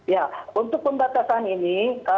ya untuk pembatasan ini